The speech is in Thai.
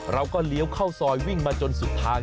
เลี้ยวเข้าซอยวิ่งมาจนสุดทาง